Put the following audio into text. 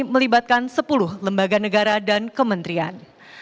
melibatkan sepuluh lembaga negara dan kementerian